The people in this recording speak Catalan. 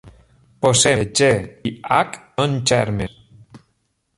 Posem que "g" i "h" són gèrmens.